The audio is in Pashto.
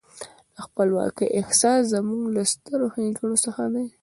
د خپلواکۍ احساس زموږ له سترو ښېګڼو څخه دی.